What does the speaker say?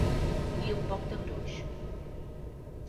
I un poc de gruix.